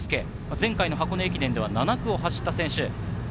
前回、箱根駅伝で７区を走った選手です。